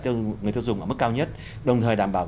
người tiêu dùng ở mức cao nhất đồng thời đảm bảo